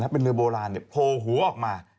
เป็นเรือโบราณโผล่หัวออกมา